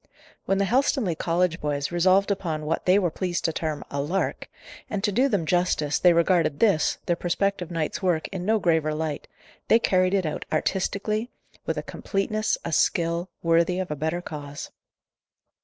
When the Helstonleigh College boys resolved upon what they were pleased to term a "lark" and, to do them justice, they regarded this, their prospective night's work, in no graver light they carried it out artistically, with a completeness, a skill, worthy of a better cause.